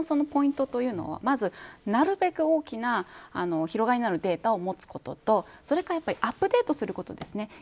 大事な予測のポイントというのはまずなるべく大きな広がりのあるデータを持つこととそれから、やっぱりアップデートすることですね。